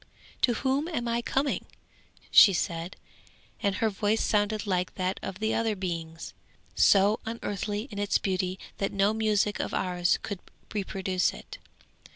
'To whom am I coming?' said she, and her voice sounded like that of the other beings, so unearthly in its beauty that no music of ours could reproduce it.